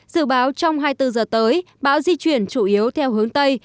dự báo trong hai mươi bốn giờ tới bão di chuyển chủ yếu theo hướng tây